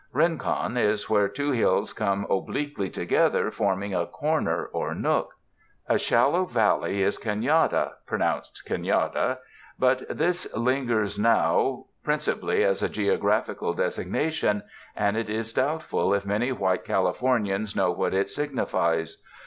Rincon is where two hills come obliquely together forming a corner or nook. A shallow valley is Canada (pro nounced can yali' da), but this lingers now princi 259 UNDER THE SKY IN CALIFORNIA pally as a geographical designation, and it is doubt ful if many white Californians know what it signi fies.